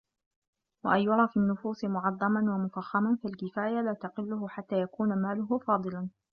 وَأَنْ يُرَى فِي النُّفُوسِ مُعَظَّمًا وَمُفَخَّمًا فَالْكِفَايَةُ لَا تُقِلُّهُ حَتَّى يَكُونَ مَالُهُ فَاضِلًا